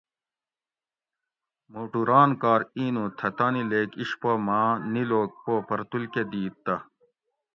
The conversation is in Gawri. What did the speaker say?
مھوٹو ران کار اِینو تھہ تانی لیک اِشپو ماں نیلوک پو پرتول کہ دیت تہ